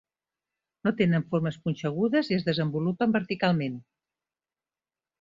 No tenen formes punxegudes i es desenvolupen verticalment.